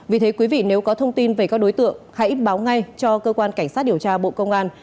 vì thế quý vị nếu có thông tin về các đối tượng hãy báo ngay cho cơ quan cảnh sát điều tra bộ công an